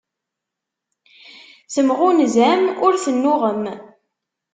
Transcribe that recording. Temɣunzam ur tennuɣem.